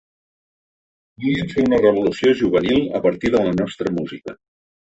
Volíem fer una revolució juvenil a partir de la nostra música.